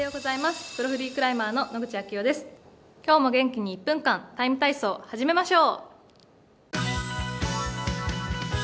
今日も元気に１分間「ＴＩＭＥ，体操」を始めましょう。